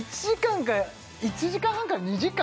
１時間半から２時間？